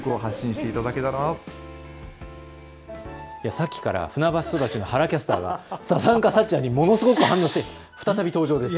さっきから船橋育ちの原キャスターがさざんかさっちゃんにものすごく反応して再び登場です。